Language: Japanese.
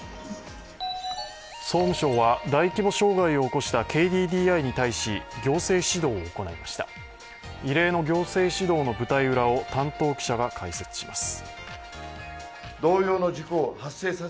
総務省は、大規模障害を起こしたＫＤＤＩに対し、行政指導を行いました異例の行政指導の舞台裏を担当記者が解説します。